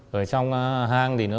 rồi trong hang thì nó sử dụng cái bếp đun